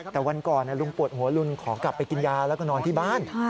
แต่วันก่อนลุงปวดหัวลุงขอกลับไปกินยาแล้วก็นอนที่บ้าน